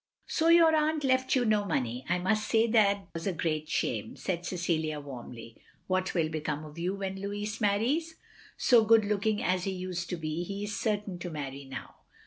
" So your aunt left you no money. I must say that was a great shame," said Cecilia, warmly. "What will become of you when Lotiis marries? So good looking as he used to be, he is certain to marry now.